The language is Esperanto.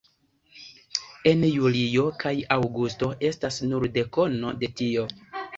En julio kaj aŭgusto estas nur dekono de tio.